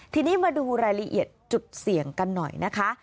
ทีนี้มาดูรายละเอียดจุดเสี่ยงกันหน่อยนะคะ